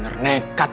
beres kalian di mati